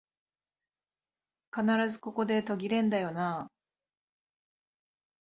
必ずここで途切れんだよなあ